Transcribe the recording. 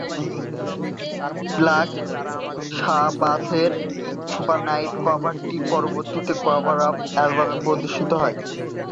Black সাবাথের "Supernaut" কভারটি পরবর্তীতে "কভার আপ" অ্যালবামে প্রদর্শিত হয়।